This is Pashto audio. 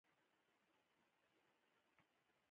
هغه نوښتونه چې په منځني ختیځ کې رامنځته شوي و